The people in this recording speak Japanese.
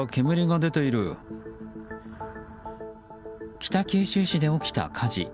北九州市で起きた火事。